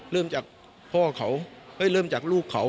เริ่มจากพ่อเขาอ้าวเฮ่ยเริ่มจากลูกเขา